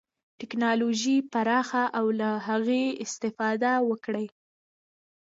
ټکنالوژي پراخه او له هغې استفاده وکړي.